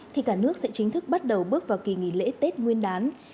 thì cả nước sẽ chính thức bắt đầu bước vào kỳ nghỉ lễ tết nguyên đán